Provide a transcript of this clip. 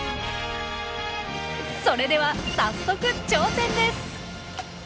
それでは早速挑戦です！